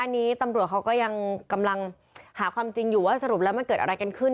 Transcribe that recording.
อันนี้ตำรวจเขาก็ยังกำลังหาความจริงอยู่ว่าสรุปแล้วมันเกิดอะไรกันขึ้น